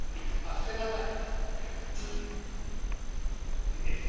捨てなさい。